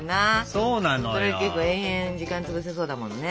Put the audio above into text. それ結構延々時間つぶせそうだもんね。